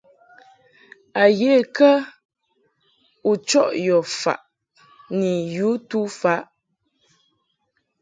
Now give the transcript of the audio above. A ye kə u chɔʼ yɔ faʼ ni yu tu faʼ ?